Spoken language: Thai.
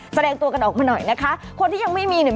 แสดงตัวกันออกมาหน่อยนะคะคนที่ยังไม่มีเนี่ย